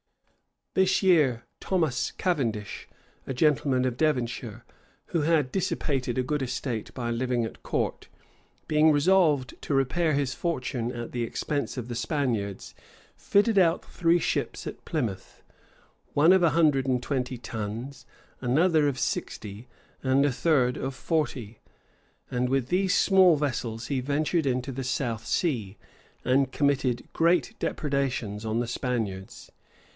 This year, Thomas Cavendish, a gentleman of Devonshire, who had dissipated a good estate by living at court, being resolved to repair his fortune at the expense of the Spaniards fitted out three ships at Plymouth one of a hundred and twenty tons, another of sixty, and a third of forty; and with these small vessels he ventured into the South Sea, and committed great depredations on the Spaniards.